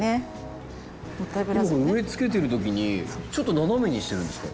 植えつけてる時にちょっと斜めにしてるんですか？